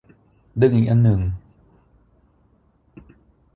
ดึงอีกอันหนึ่ง